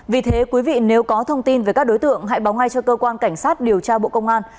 vì thế quý vị nếu có thông tin về các đối tượng hãy báo ngay cho cơ quan cảnh sát điều tra bộ công an